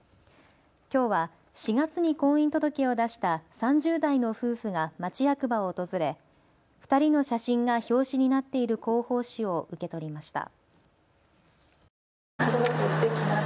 きょうは４月に婚姻届を出した３０代の夫婦が町役場を訪れ２人の写真が表紙になっている広報誌を受け取りました。